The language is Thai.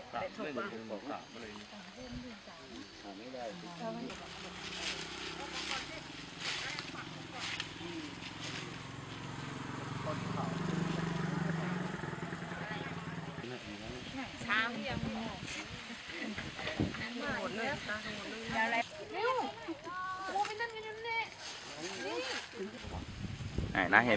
ที่สำคัญและส่วนความเป็นผู้หญิง